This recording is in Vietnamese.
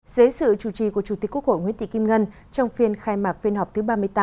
dưới sự chủ trì của chủ tịch quốc hội nguyễn thị kim ngân trong phiên khai mạc phiên họp thứ ba mươi tám